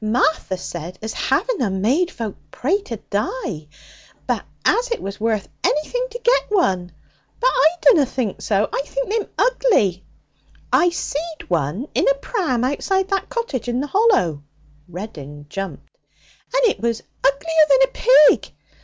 Martha said as having 'em made folk pray to die, but as it was worth anything to get one. But I dunna think so. I think they'm ugly. I seed one in a pram outside that cottage in the Hollow' (Reddin jumped), 'and it was uglier than a pig.